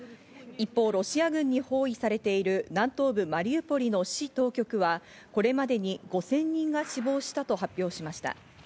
一方、ロシア軍に包囲されている南東部マリウポリの市当局はこれまでに５０００人が死亡したと発表しました。